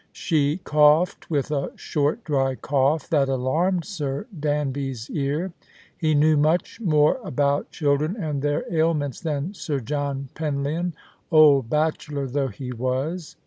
She coughed with a short dry cough that alarmed j\lr. Danby's ear. He knew much more about children and their ailments than Sir John Penlyon, old bachelor though he was.